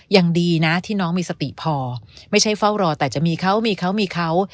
ยังดีนะที่น้องมีสติพอไม่ใช่เฝ้ารอแต่จะมีเขามีเขามีเขา